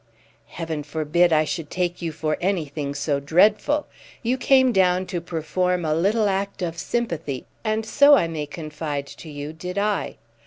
"Heaven forbid I should take you for anything so dreadful! You came down to perform a little act of sympathy, and so, I may confide to you, did I.